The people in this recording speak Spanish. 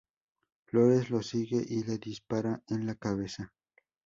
Flores lo sigue y le dispara en la cabeza.